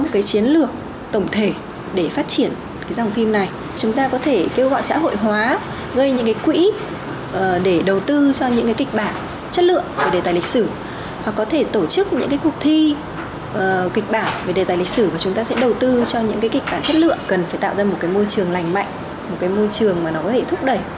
về lịch sử chúng ta sẽ đầu tư cho những kịch bản chất lượng cần phải tạo ra một môi trường lành mạnh một môi trường có thể thúc đẩy